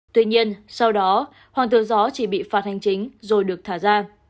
tuy nhiên sau đó hoàng tư gió chỉ bị phạt hành chính rồi được thả ra